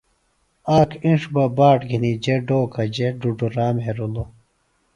آک اِنڇ بہ باٹ گِھنیۡ جےۡ ڈوکہ جےۡ ڈُڈوۡرا مھیرِلوۡ